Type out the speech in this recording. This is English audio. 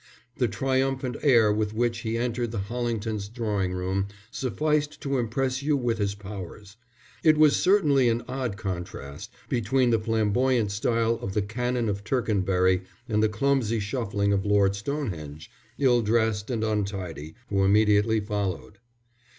The triumphant air with which he entered the Hollingtons' drawing room sufficed to impress you with his powers. It was certainly an odd contrast between the flamboyant style of the Canon of Tercanbury and the clumsy shuffling of Lord Stonehenge, ill dressed and untidy, who immediately followed.